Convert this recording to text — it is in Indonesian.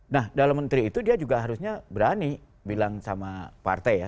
nah dalam menteri itu dia juga harusnya berani bilang sama partai ya